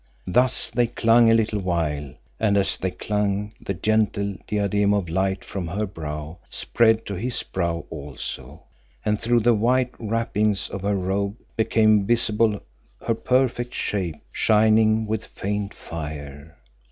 Thus they clung a little while, and as they clung the gentle diadem of light from her brow spread to his brow also, and through the white wrappings of her robe became visible her perfect shape shining with faint fire.